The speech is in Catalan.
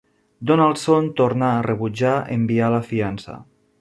Donaldson tornà a rebutjar enviar la fiança.